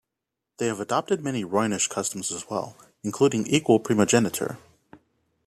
They have adopted many Rhoynish customs as well, including equal primogeniture.